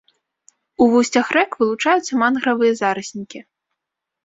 У вусцях рэк вылучаюцца мангравыя зараснікі.